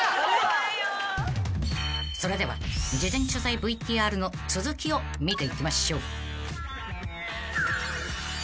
［それでは事前取材ＶＴＲの続きを見ていきましょう］